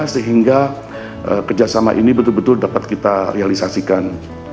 sehingga kerjasama ini betul betul dapat kita realisasikan